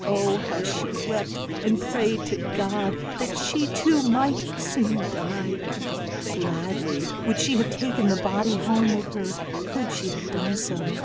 Oh how she wept and prayed to God, that she too might soon die. Gladly would she have taken the body home with her could she have done so.